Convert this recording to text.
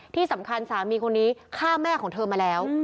ที่สำคัญสามีคนนี้ฆ่าแม่ของเธอมาแล้ว